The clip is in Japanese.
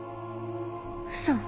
嘘。